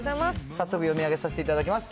早速読み上げさせていただきます。